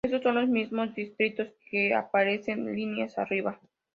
Estos son los mismos distritos que aparecen líneas arriba.